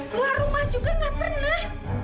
keluar rumah juga nggak pernah